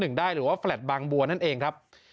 หรือว่าแฟลต์บางบัวนั่นเองครับ